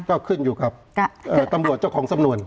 ก็ขึ้นอยู่กับตำรวจเจ้าของสำนวน